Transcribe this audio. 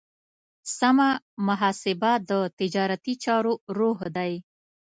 سمه محاسبه د تجارتي چارو روح دی.